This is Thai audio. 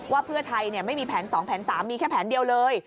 ว่าเพื่อไทยไม่มีแผน๒แผน๓มีแค่แผนเดียวเลย